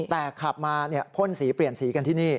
แต่ขับมาพ่นสีเปลี่ยนสีกันที่นี่